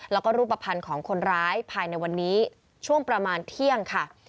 แล้วก็รูปภัณฑ์ของคนร้ายภายในวันนี้ช่วงประมาณเที่ยงค่ะ